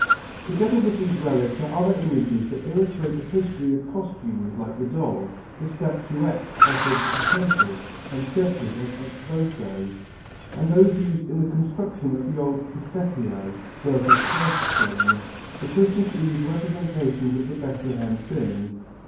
Together with these relics are other images that illustrate the history of costumes like the dolls, the statuettes offered to temples and churches as ex votos and those used in the construction of the old presepio (birth of Christ scene), the Christmas Eve representations of the Bethlehem scene.